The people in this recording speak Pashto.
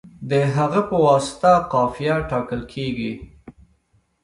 د هغه په واسطه قافیه ټاکل کیږي.